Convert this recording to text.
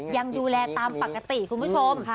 ยังดูแลตามปกติคุณผู้ชม